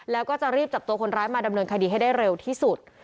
แล้วก็จะรีบจับตัวคนร้ายมาดำเนินคดีให้ได้เร็วที่สุด